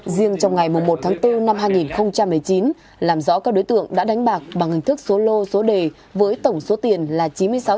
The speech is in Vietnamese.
riêng trong ngày một tháng bốn năm hai nghìn một mươi chín làm rõ các đối tượng đã đánh bạc bằng hình thức số lô số đề với tổng số tiền là chín mươi sáu triệu